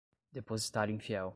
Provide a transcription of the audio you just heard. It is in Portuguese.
depositário infiel